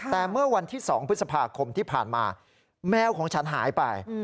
แต่เมื่อวันที่๒พฤษภาคมที่ผ่านมาแมวของฉันหายไป